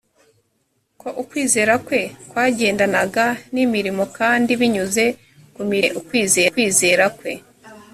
ko ukwizera kwe kwagendanaga n imirimo kandi binyuze ku mirimo ye ukwizera kwe